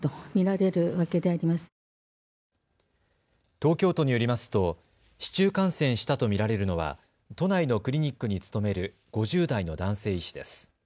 東京都によりますと市中感染したと見られるのは都内のクリニックに勤める５０代の男性医師です。